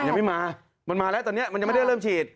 ยังไม่มามันมาแล้วตอนนี้มันยังไม่ได้เริ่มฉีด